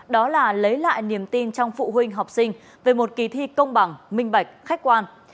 đó là lấy lại niềm tin trong phụ huynh học sinh về một kỳ thi công bằng minh bạch khách quan